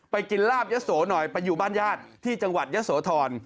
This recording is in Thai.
กินลาบยะโสหน่อยไปอยู่บ้านญาติที่จังหวัดยะโสธร